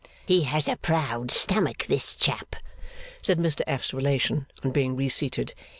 'He has a proud stomach, this chap,' said Mr F.'s relation, on being reseated.